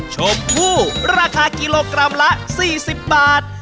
ชมพู่ราคากิโลกรัมละ๔๐บาท